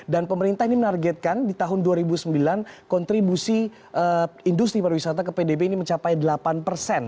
dan pemerintah ini menargetkan di tahun dua ribu sembilan kontribusi industri pariwisata ke pdb ini mencapai delapan persen